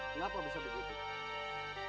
kenapa bisa begitu